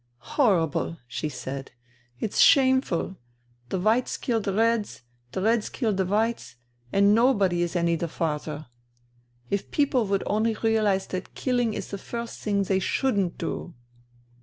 "Horrible!" she said. "It's shameful! The Whites kill the Reds, the Reds kill the Whites ... and nobody is any the farther. If people would only realize that killing is the first thing they shouldn't do."